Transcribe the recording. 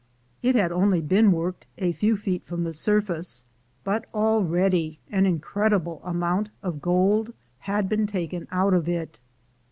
It had only been worked a few feet from the surface, but already an incredible amount of gold had been taken out of it.